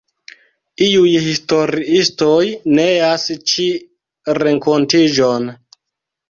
Iuj historiistoj neas ĉi renkontiĝon.